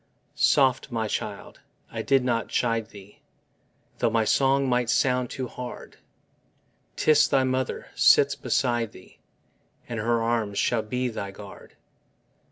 Soft, my child: I did not chide thee, Though my song might sound too hard; 'Tis thy mother sits beside thee, And her arms shall be thy guard.